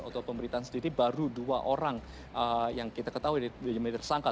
atau pemberitaan sendiri baru dua orang yang kita ketahui tersangka